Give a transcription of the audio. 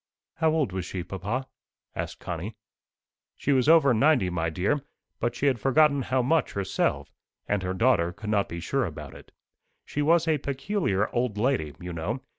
"How old was she, papa?" asked Connie. "She was over ninety, my dear; but she had forgotten how much herself, and her daughter could not be sure about it. She was a peculiar old lady, you know.